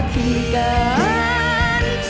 อยากเป็นคุณหมอเป็นพยาบาลอยากเป็นครู